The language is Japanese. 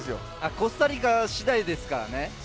コスタリカ次第ですからね。